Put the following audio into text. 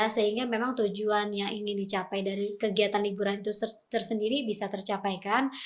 sehingga memang tujuannya ingin dicapai dari kegiatan liburan itu tersendiri bisa tercapai kan